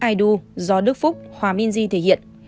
idol do đức phúc hòa minh di thể hiện